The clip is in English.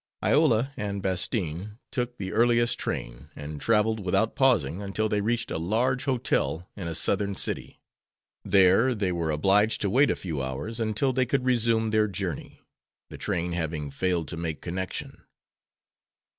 Iola and Bastine took the earliest train, and traveled without pausing until they reached a large hotel in a Southern city. There they were obliged to wait a few hours until they could resume their journey, the train having failed to make connection.